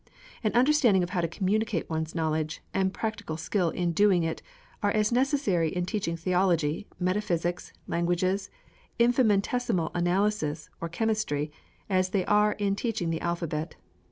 An understanding of how to communicate one's knowledge, and practical skill in doing it, are as necessary in teaching theology, metaphysics, languages, infinitesimal analysis, or chemistry, as they are in teaching the alphabet.